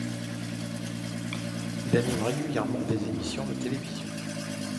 Il anime régulièrement des émissions de télévision.